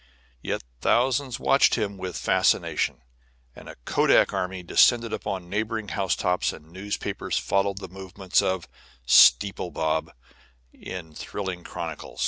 Yet thousands watched him with fascination, and a kodak army descended upon neighboring housetops, and newspapers followed the movements of "Steeple Bob" in thrilling chronicle.